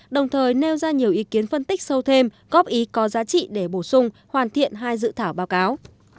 đồng thời nêu ra nhiều ý kiến phân tích sâu thêm góp ý có giá trị để bổ sung hoàn thiện hai dự thảo báo cáo